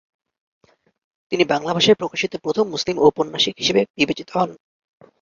তিনি বাংলা ভাষায় প্রকাশিত প্রথম মুসলিম ঔপন্যাসিক হিসেবে বিবেচিত হন।